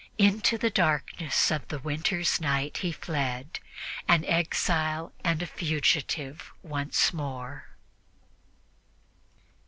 Into the darkness of the winter's night he fled, an exile and a fugitive once more.